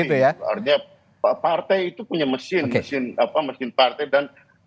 artinya partai itu punya mesin mesin partai